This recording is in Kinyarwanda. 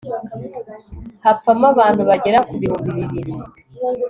hapfamo abantu bagera ku bihumbi bibiri